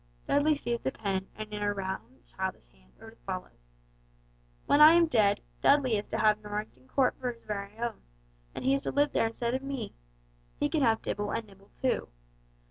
Dudley seized the pen and in round, childish hand wrote as follows: "When I am dead, Dudley is to have Norrington Court for his very own, and he is to live there instead of me. He can have Dibble and Nibble too.